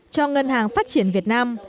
cho ngân hàng phát triển việt nam